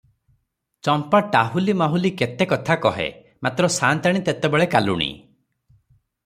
ଚମ୍ପା ଟାହୁଲି ମାହୁଲି କେତେ କଥା କହେ; ମାତ୍ର ସାଆନ୍ତାଣୀ ତେତେବେଳେ କାଲୁଣୀ ।